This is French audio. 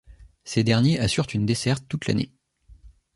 Ces derniers assurent une desserte toute l'année.